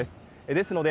ですので、